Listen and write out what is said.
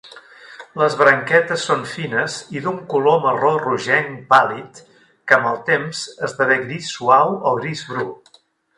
Les branquetes són fines i d'un color marró rogenc pàl·lid que, amb el temps, esdevé gris suau o gris bru.